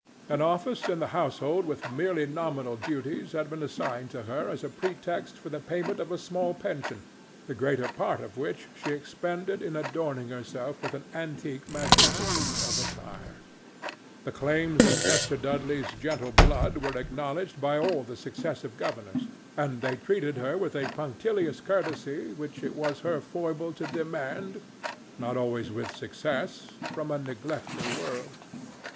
An office in the household with merely nominal duties had been assigned to her as a pretext for the payment of a small pension, the greater part of which she expended in adorning herself with an antique magnificence of attire. The claims of Esther Dudley's gentle blood were acknowledged by all the successive governors, and they treated her with the punctilious courtesy which it was her foible to demand, not always with success, from a neglectful world.